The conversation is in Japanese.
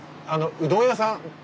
うどん屋さん！